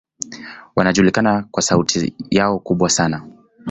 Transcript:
Wanajulikana kwa sauti yao kubwa sana.